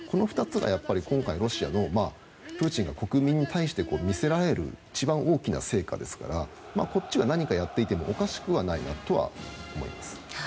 この２つがやっぱり今回ロシアのプーチンが国民に見せられる大きな成果ですからこっちで何かをやっていてもおかしくはないとは思います。